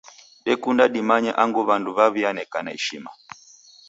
Dekunda dimanye angu w'andu w'aw'ianekana ishima.